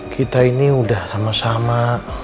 kita ini udah sama sama